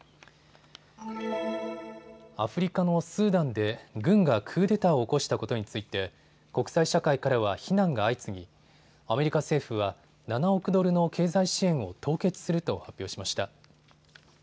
アフリカのスーダンで軍がクーデターを起こしたことについて国際社会からは非難が相次ぎアメリカ政府は７億ドルの経済支援を凍結すると発表しました。